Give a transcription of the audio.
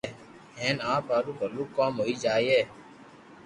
ھين اپ ھارو ڀلو ڪوم ھوئي جائي